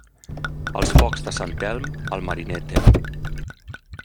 Els focs de Sant Elm, el mariner tem.